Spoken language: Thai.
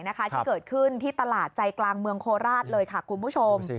ที่เกิดขึ้นที่ตลาดใจกลางเมืองโคราชเลยค่ะคุณผู้ชม